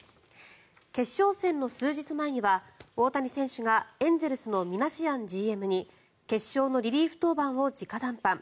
決勝戦の数日前には大谷選手がエンゼルスのミナシアンＧＭに決勝のリリーフ登板を直談判。